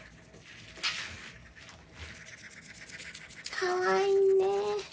かわいいね。